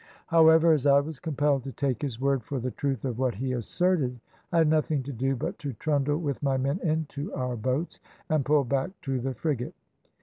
However, as I was compelled to take his word for the truth of what he asserted, I had nothing to do but to trundle with my men into our boats, and pull back to the frigate.